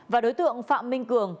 và đối tượng phạm minh cường